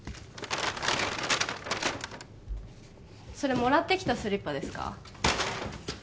それもらってきたスリッパですか？